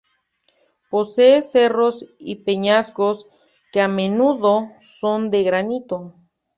Posee cerros y peñascos que a menudo son de granito.